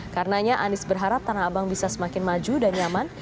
karenanya anies berharap tanah abang bisa semakin maju dan nyaman